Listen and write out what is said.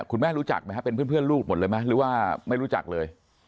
คุณแม่รู้จักไหมครับเป็นเพื่อนลูกหมดเลยไหมหรือว่าไม่รู้จักเลย